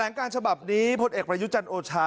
แถลงการฉบับนี้พทธเอกบรยุจันทร์โอชา